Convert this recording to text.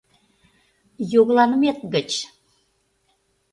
Йогыланымет гыч!